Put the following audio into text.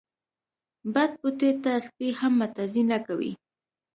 بد بوټي ته سپي هم متازې نه کوی.